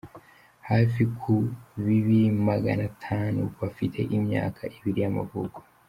hafi ku bibiri magana atanu bafite imyaka ibiri y'amavuko